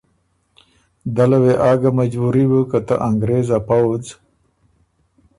دله وې آ ګه مجبُوري بُک که ته انګرېز ا پؤځ